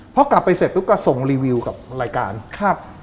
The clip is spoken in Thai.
พอกลับไปเสร็จปุ๊บก็ส่งรีวิวกับรายการครับ